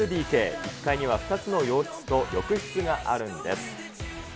１階には２つの洋室と浴室があるんです。